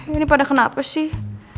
ini pada kenapa sih